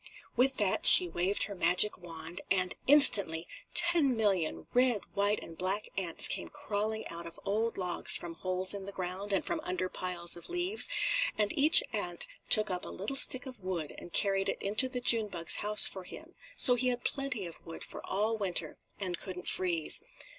With that she waved her magic wand, and, instantly, ten million red, white and black ants came crawling out of old logs from holes in the ground and from under piles of leaves, and each ant took up a little stick of wood and carried it into the June bug's house for him, so he had plenty of wood for all winter, and couldn't freeze.